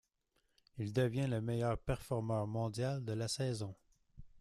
Il devient le meilleur performeur mondial de la saison.